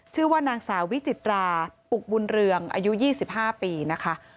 ชื่อว่านางสาววิจิตราปุกบุญเรืองอายุ๒๕ปีนะคะ